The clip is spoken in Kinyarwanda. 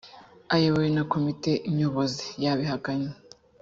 ayobowe na komite nyobozi yabihakanye